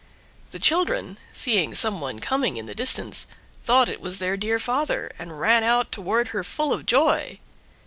The children, seeing some one coming in the distance, thought it was their dear father, and ran out toward her full of joy.